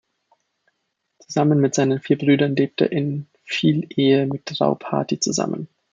Zusammen mit seinen vier Brüdern lebt er in Vielehe mit Draupadi zusammen.